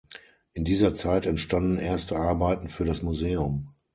In dieser Zeit entstanden erste Arbeiten für das Museum.